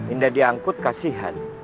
indah diangkut kasihan